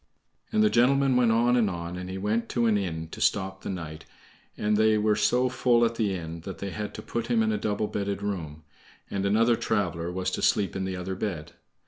And the gentleman went on and on, and he went to an inn to stop the night, and they were so full at the inn that they had to put him in a double bedded room, and another traveler was to sleep in the other bed.